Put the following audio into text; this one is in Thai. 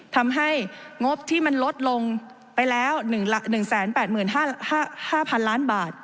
ทำให้งบที่มันลดลงไปแล้ว๑๘๕๐๐๐ล้านบาท